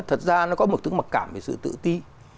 thật ra nó có một tức mặc cảm về sự tự ti